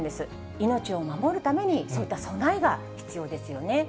命を守るために、そういった備えが必要ですよね。